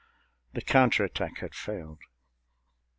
The counter attack had failed.